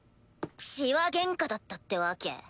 痴話ゲンカだったってわけ？